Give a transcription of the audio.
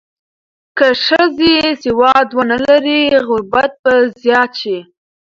که ښځې سواد ونه لري، غربت به زیات شي.